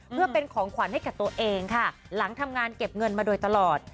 เพื่อเป็นของขวัญให้กับตัวเองค่ะหลังทำงานเก็บเงินมาโดยตลอด